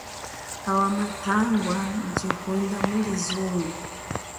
Awa mathangwa mutshihunda muli zungo.